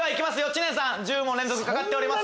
知念さん１０問連続かかっております。